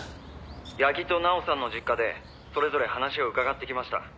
「矢木と奈緒さんの実家でそれぞれ話を伺ってきました」